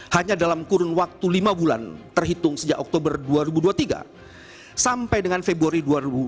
hanya dalam kurun waktu lima bulan terhitung sejak oktober dua ribu dua puluh tiga sampai dengan februari dua ribu dua puluh